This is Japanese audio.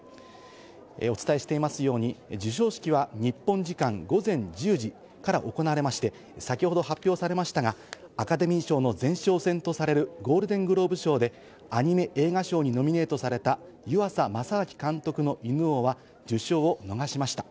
お伝えしていますように、受賞式は日本時間午前１０時から行われまして、先ほど発表されましたが、アカデミー賞の前哨戦とされるゴールデングローブ賞で、アニメ映画賞にノミネートされた湯浅政明監督の『犬王』は受賞を逃しました。